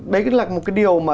đấy là một cái điều mà